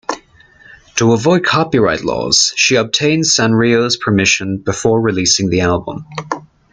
To avoid copyright laws, she obtained Sanrio's permission before releasing the album.